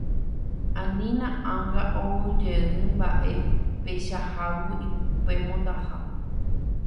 Ani anga oujeýmba'e peichahágui upe mondaha.